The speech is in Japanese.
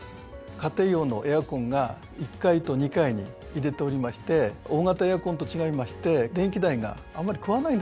家庭用のエアコンが１階と２階に入れておりまして大型エアコンと違いまして電気代があんまり食わないんですね。